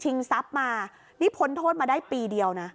พอหลังจากเกิดเหตุแล้วเจ้าหน้าที่ต้องไปพยายามเกลี้ยกล่อม